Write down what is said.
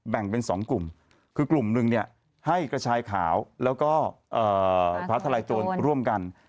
แบ่งเป็น๒กลุ่มคือกลุ่มหนึ่งเนี่ยให้กระชายขาวแล้วก็ฟ้าทลายโจรร่วมกัน